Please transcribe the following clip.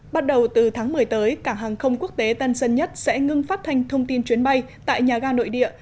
bắt đầu từ tháng một mươi tới cảng hàng không quốc tế tân sân nhất sẽ ngưng phát thanh thông tin chuyến bay tại nhà ga nội địa